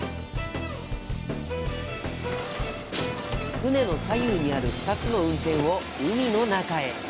船の左右にある２つのウンテンを海の中へ。